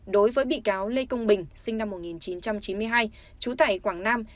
đối với bị cáo lê công bình sinh năm một nghìn chín trăm chín mươi hai trú tại quảng nam